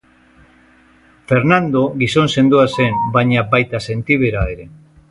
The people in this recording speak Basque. Fernando gizon sendoa zen baina baita sentibera ere.